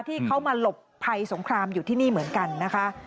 ที่เขามาหลบภัยสงครามอยู่ที่นี่เหมือนกันนะคะ